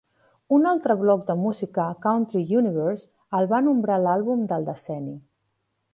Un altre blog de música, Country Universe, el va nombrar l"àlbum del decenni.